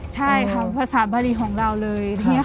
ใช่ค่ะภาษาบารีของเราเลย